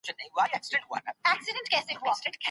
موږ به څنګه درېدلي يو .